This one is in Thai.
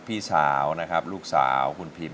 พี่สาวนะครับลูกสาวคุณพิม